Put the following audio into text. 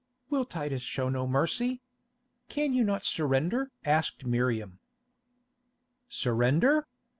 "Will Titus show no mercy? Can you not surrender?" asked Miriam. "Surrender?